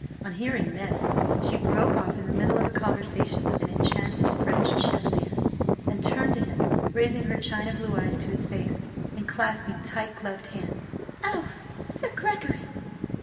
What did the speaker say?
On hearing this, she broke off in the middle of a conversation with an enchanted French Chevalier and turned to him, raising her china blue eyes to his face and clasping tight gloved hands. "Oh, Sir Gregory!